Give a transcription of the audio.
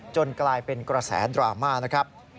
กลายเป็นกระแสดราม่านะครับ